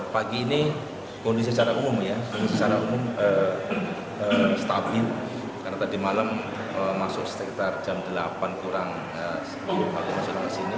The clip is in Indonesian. pagi ini kondisi secara umum stabil karena tadi malam masuk sekitar jam delapan kurang sebelum pagi masuk ke sini